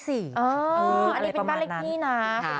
อ๋ออันนี้เป็นแปลกนี้นะคุณผู้ชมค่ะ